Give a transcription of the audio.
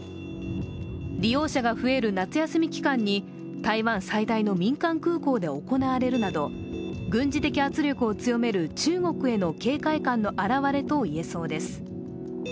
利用者が増える夏休み期間に台湾最大の民間空港で行われるなど軍事的圧力を強める中国への警戒感の表れといえそうです。